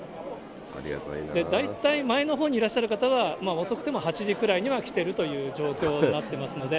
大体、前のほうにいらっしゃる方は、遅くても８時くらいには来てるという状況になってますので。